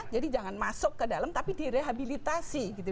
jadi jangan masuk ke dalam tapi direhabilitasi gitu